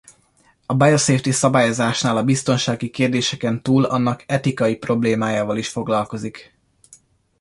A biosafety-szabályozásnál a biztonsági kérdéseken túl annak etikai problémájával is foglalkozik.